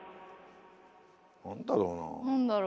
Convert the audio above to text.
何だろうなあ。